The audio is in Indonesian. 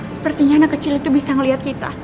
sepertinya anak kecil itu bisa melihat kita